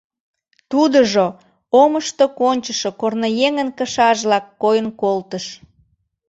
Тудыжо омышто кончышо Корныеҥын кышажлак койын колтыш.